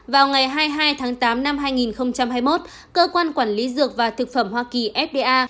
vào ngày hai mươi hai tháng tám năm hai nghìn hai mươi một cơ quan quản lý dược và thực phẩm hoa kỳ fda